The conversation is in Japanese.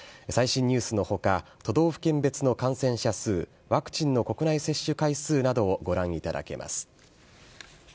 最新ニュースのほか、都道府県別の感染者数、ワクチンの国内接種回数などをご覧いただけます。